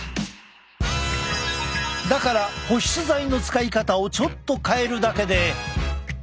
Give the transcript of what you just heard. だから保湿剤の使い方をちょっと変えるだけで。